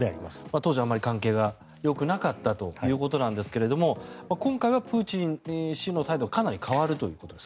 当時はあまり関係がよくなかったということですが今回はプーチン氏の態度はかなり変わると。